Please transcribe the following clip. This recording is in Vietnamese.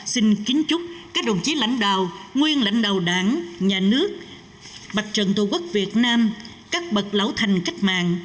xin kính chúc các đồng chí lãnh đạo nguyên lãnh đạo đảng nhà nước mặt trận tổ quốc việt nam các bậc lão thành cách mạng